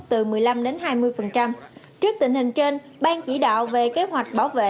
trước tình hình trên bang chỉ đạo về kế hoạch bảo vệ